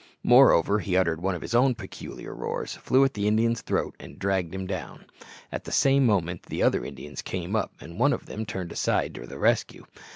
Moreover, he uttered one of his own peculiar roars, flew at the Indian's throat, and dragged him down. At the same moment the other Indians came up, and one of them turned aside to the rescue.